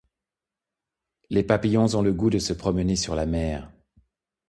Les papillons ont le goût de se promener sur la mer.